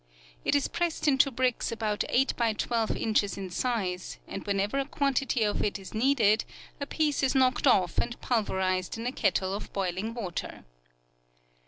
It is pressed into bricks about eight by twelve inches in size, and whenever a quantity of it is needed a piece is knocked off and pulverized in a kettle of boiling water.